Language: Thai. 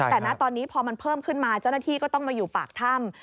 แต่นะตอนนี้พอมันเพิ่มขึ้นมาเจ้าหน้าที่ก็ต้องมาอยู่ปากถ้ำ